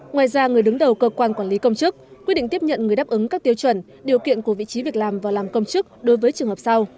ngoài ra người đứng đầu cơ quan quản lý công chức quyết định tiếp nhận người đáp ứng các tiêu chuẩn điều kiện của vị trí việc làm và làm công chức đối với trường hợp sau